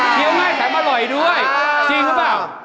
ง่ายแถมอร่อยด้วยจริงหรือเปล่า